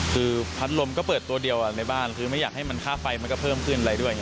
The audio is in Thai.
คือพัดลมก็เปิดตัวเดียวในบ้านคือไม่อยากให้มันค่าไฟมันก็เพิ่มขึ้นอะไรด้วย